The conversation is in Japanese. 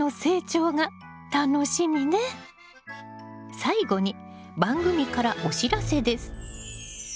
最後に番組からお知らせです。